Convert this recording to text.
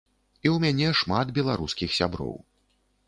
І ў мяне шмат беларускіх сяброў.